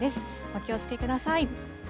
お気をつけください。